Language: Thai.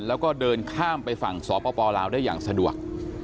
แล้วก็เดินข้ามไปฝั่งสปลาวได้อย่างสะดวก